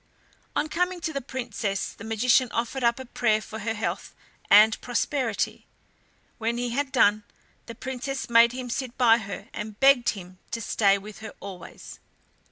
On coming to the Princess the magician offered up a prayer for her health and prosperity. When he had done the Princess made him sit by her, and begged him to stay with her always.